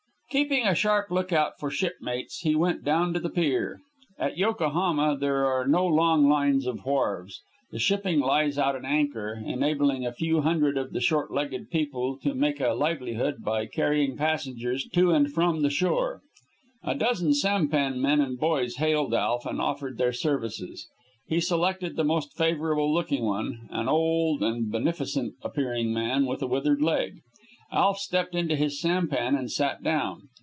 Keeping a sharp lookout for shipmates, he went down to the pier. At Yokohama there are no long lines of wharves. The shipping lies out at anchor, enabling a few hundred of the short legged people to make a livelihood by carrying passengers to and from the shore. A dozen sampan men and boys hailed Alf and offered their services. He selected the most favorable looking one, an old and beneficent appearing man with a withered leg. Alf stepped into his sampan and sat down.